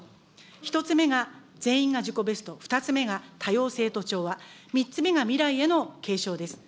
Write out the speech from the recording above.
１つ目が全員が自己ベスト、２つ目が多様性と調和、３つ目が未来への継承です。